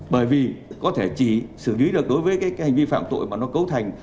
bởi vì có thể chỉ xử lý được đối với cái hành vi phạm tội mà nó cấu thành